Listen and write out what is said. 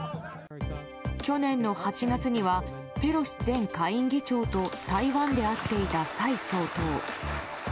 去年の８月にはペロシ前下院議長と台湾で会っていた蔡総統。